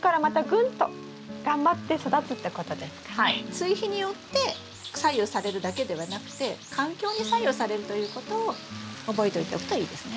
追肥によって左右されるだけではなくて環境に左右されるということを覚えておいておくといいですね。